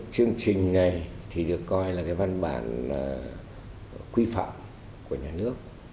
chương trình này thì được coi là cái văn bản quy phạm của nhà nước